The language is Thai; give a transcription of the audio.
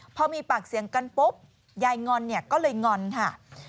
พอมีปากเสียงกันปุ๊บยายงอนเนี่ยก็เลยงอนค่ะ